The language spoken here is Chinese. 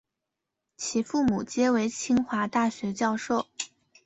其父母皆为清华大学教授。